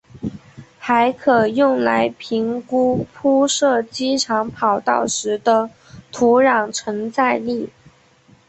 还可用来评估铺设机场跑道时的土壤承载力。